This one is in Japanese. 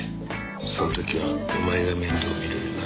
そん時はお前が面倒見ろよな。